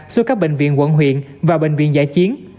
xuống các bệnh viện quận huyện và bệnh viện giải chiến